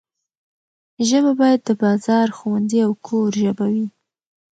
ژبه باید د بازار، ښوونځي او کور ژبه وي.